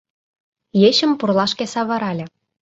Ечым пурлашке савырале.